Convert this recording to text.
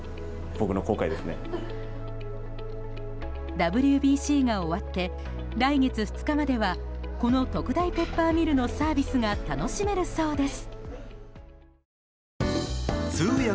ＷＢＣが終わって来月２日まではこの特大ペッパーミルのサービスが楽しめるそうです。